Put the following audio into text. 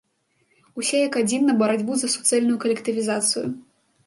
Усе як адзін на барацьбу за суцэльную калектывізацыю!